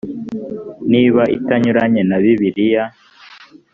niba itanyuranye na bibiliya